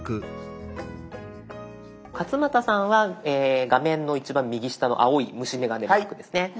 勝俣さんは画面の一番右下の青い虫眼鏡マークですね。